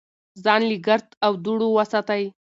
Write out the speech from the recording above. ځان له ګرد او دوړو وساتئ.